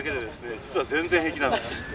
実は全然平気なんです。